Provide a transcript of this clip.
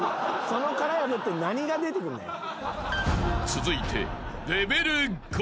［続いて］